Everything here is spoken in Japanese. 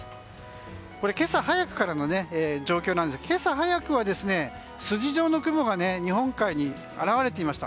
今朝早くからの状況ですが今朝早くは筋状の雲が日本海に現れていました。